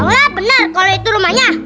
bang bener kalau itu rumahnya